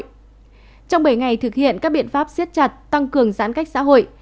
trong bảy ngày thực hiện các biện pháp siết chặt tăng cường giãn cách xã hội